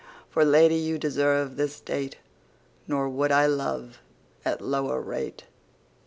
For Lady you deserve this State; Nor would I love at lower rate.